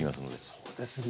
そうですね。